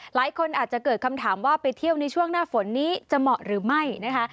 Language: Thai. หลายคนอาจจะเกิดคำถามว่าไปเที่ยวในช่วงหน้าฝนนี้จะเหมาะหรือไม่นะคะ